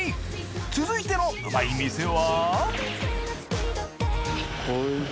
続いてのうまい店は？